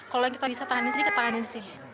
kalau yang kita bisa tahan disini kita tahanin disini